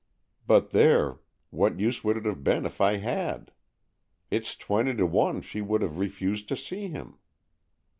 But there, what use would it have been if I had? It's twenty to one she would have refused to see him."